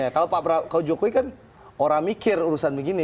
kalau pak jokowi kan orang mikir urusan begini